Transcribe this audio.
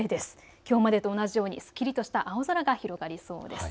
きょうまでと同じようにすっきりとした青空が広がりそうです。